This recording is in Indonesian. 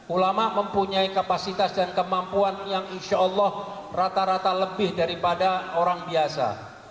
ulama mempunyai kapasitas dan kemampuan yang insya allah rata rata lebih daripada orang biasa